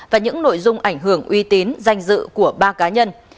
và những nội dung ảnh hưởng uy tín danh dự của ba cá nhân